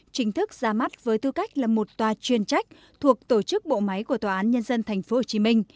chính thức ra mắt với tư cách là một tòa chuyên trách thuộc tổ chức bộ máy của tòa án nhân dân tp hcm